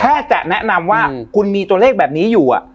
จะแนะนำว่าคุณมีตัวเลขแบบนี้อยู่